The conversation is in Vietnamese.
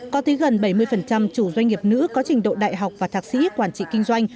có tí gần bảy mươi chủ doanh nghiệp nữ có trình độ đại học và thạc sĩ quản trị kinh doanh